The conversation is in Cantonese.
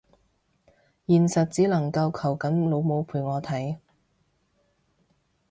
現實只能夠求緊老母陪我睇